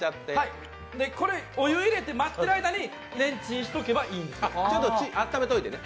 お湯入れて待ってる間に、レンチンしておけばいいんで。